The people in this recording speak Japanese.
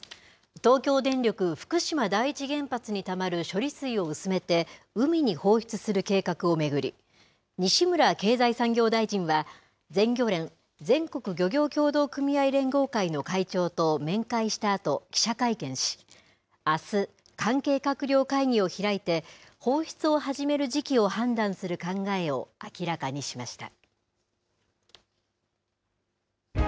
東京電力福島第一原発にたまる処理水を薄めて海に放出する計画を巡り、西村経済産業大臣は、全漁連・全国漁業協同組合連合会の会長と面会したあと、記者会見し、あす、関係閣僚会議を開いて、放出を始める時期を判断する考えを明らかにしました。